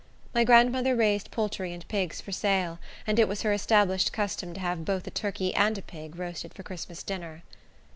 My grandmother raised poultry and pigs for sale and it was her established custom to have both a turkey and a pig roasted for Christmas dinner.